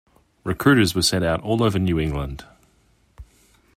Recruiters were sent out all over New England.